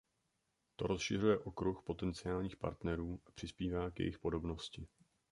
To rozšiřuje okruh potenciálních partnerů a přispívá k jejich podobnosti.